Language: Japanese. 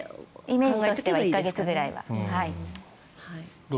イメージとしては１か月ぐらいは。